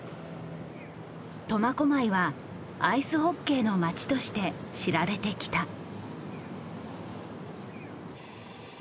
苫小牧はアイスホッケーの町として知られてきた。